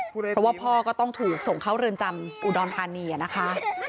เพราะว่าพ่อก็ต้องถูกส่งเข้าเรือนจำอุดรธานีนะคะ